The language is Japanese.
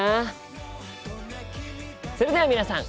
それでは皆さん